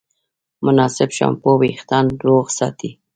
مناسب شامپو وېښتيان روغ ساتي.